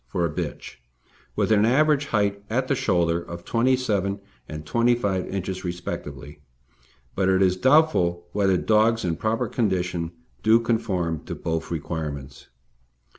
for a bitch, with an average height at the shoulder of 27 inches and 25 inches respectively; but it is doubtful whether dogs in proper condition do conform to both requirements.